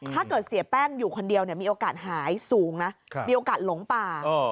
เสียแป้งอยู่คนเดียวมีโอกาสหายสูงนะมีโอกาสหลงป่า